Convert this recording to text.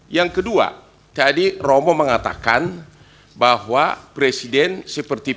yang kedua tadi romo mengatakan bahwa presiden seperti